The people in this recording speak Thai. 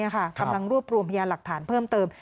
กำลังรวบรวมพยานหลักฐานเพิ่มเติม